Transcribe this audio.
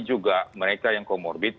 juga mereka yang comorbid